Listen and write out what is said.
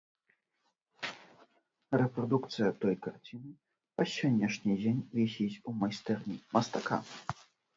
Рэпрадукцыя той карціны па сённяшні дзень вісіць у майстэрні мастака.